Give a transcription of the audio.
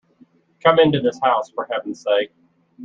Come into this house for heaven's sake!